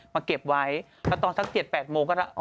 เก็บไว้แล้วตอนสัก๗๘โมงก็ได้